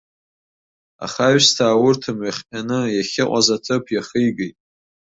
Аха аҩсҭаа урҭ мҩахҟьаны, иахьыҟаз аҭыԥ иахигеит.